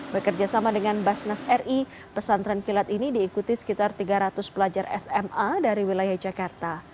bekerja sama dengan basnas ri pesantren kilat ini diikuti sekitar tiga ratus pelajar sma dari wilayah jakarta